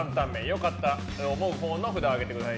良かったと思うほうの札を上げてください。